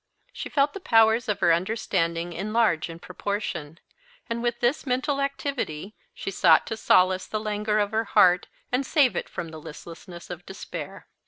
She felt the powers of her understanding enlarge in proportion; and, with this mental activity, she sought to solace the languor of her heart and save it from the listlessness of despair.